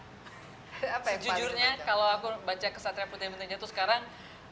sejujurnya kalau aku baca kesatria putri yang pentingnya itu sekarang